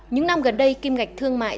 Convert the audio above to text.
những năm gần đây kim ngạch thương mại